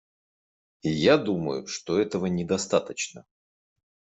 Я думаю, что этого недостаточно.